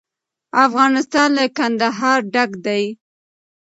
افغانستان له کندهار ډک دی.